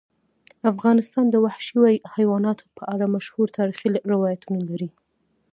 افغانستان د وحشي حیواناتو په اړه مشهور تاریخی روایتونه لري.